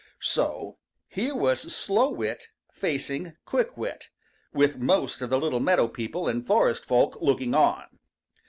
So here was Slow Wit facing Quick Wit, with most of the little meadow people and forest folk looking on.